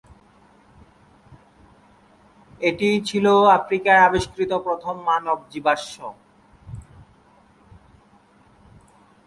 এটিই ছিল আফ্রিকায় আবিষ্কৃত প্রথম মানব জীবাশ্ম।